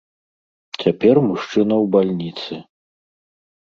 Цяпер мужчына ў бальніцы.